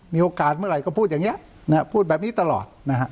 มีโอกาสเมื่อไหร่ก็พูดอย่างนี้นะฮะพูดแบบนี้ตลอดนะฮะ